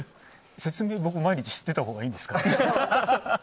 説明、僕毎日してたほうがいいですかね。